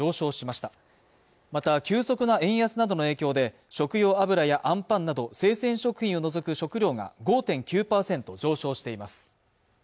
また急速な円安などの影響で食用油やあんぱんなど生鮮食品を除く食料が５．９％上昇しています